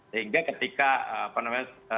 sehingga ketika apa namanya